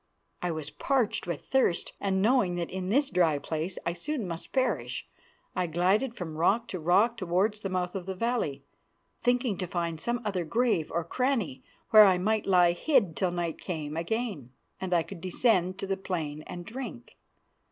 I was parched with thirst, and knowing that in this dry place I soon must perish, I glided from rock to rock towards the mouth of the valley, thinking to find some other grave or cranny where I might lie hid till night came again and I could descend to the plain and drink.